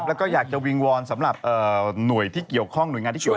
และก็อยากจะวิงวอนสำหรับหน่วยงานที่เกี่ยวข้อง